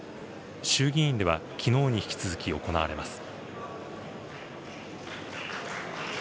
衆議院では、きのうに引き続き行われます。